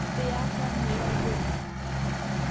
Beata mea Domina!